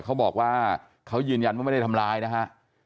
เขาบอกว่าเขายืนยันว่าไม่ได้ทำร้ายนะฮะ